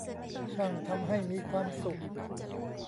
ช่างทำให้มีความสุข